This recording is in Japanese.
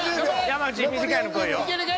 山内短いのこいよ。